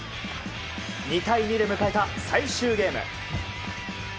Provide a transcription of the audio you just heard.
２対２で迎えた最終ゲーム。